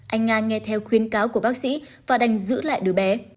anh nga nghe theo khuyến cáo của bác sĩ và đành giữ lại đứa bé